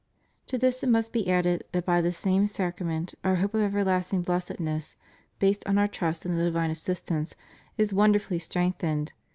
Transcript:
To this it must be added that by this same Sacrament our hope of everlasting blessedness, based on our trust in the divine assistance, is wonderfully strengthened.